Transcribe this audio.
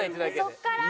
そこから。